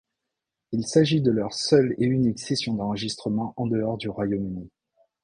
Il s'agit de leurs seules et uniques sessions d'enregistrement en dehors du Royaume-Uni.